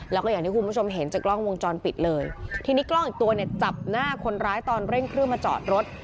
แล้วก็อย่างที่คุณผู้ชมเห็นจากกล้องวงจรปิดเลยทีนี้กล้องอีกตัวเนี่ยจับหน้าคนร้ายตอนเร่งเครื่องมาจอดรถ